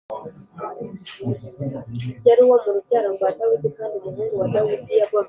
Yari uwo mu rubyaro rwa Dawidi, kandi umuhungu wa Dawidi yagombaga kuvukira mu murwa wa Dawidi